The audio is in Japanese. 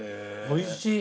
おいしい。